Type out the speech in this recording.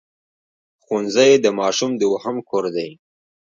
ښوونځی د ماشوم دوهم کور دی